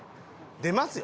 出ますよ？